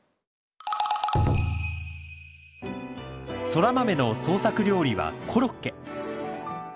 ソラマメの創作料理はコロッケ。